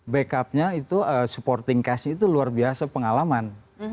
backupnya itu supporting cash itu luar biasa pengalaman